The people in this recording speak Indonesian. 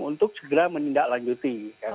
untuk segera menindaklanjuti